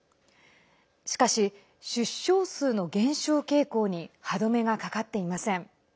しかし、出生数の減少傾向に歯止めが、かかっていません。